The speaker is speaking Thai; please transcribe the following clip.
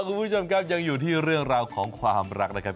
คุณผู้ชมครับยังอยู่ที่เรื่องราวของความรักนะครับ